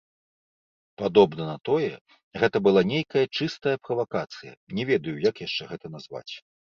Падобна на тое, гэта была нейкая чыстая правакацыя, не ведаю, як яшчэ гэта назваць.